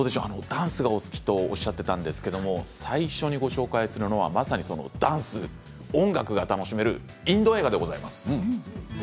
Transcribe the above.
ダンスお好きとおっしゃっていたんですけれども、最初にご紹介するのは、まさにダンス、音楽が楽しめるインド映画でございます。